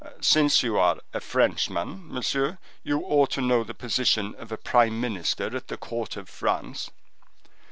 "Since you are a Frenchman, monsieur, you ought to know the position of a prime minister at the court of France."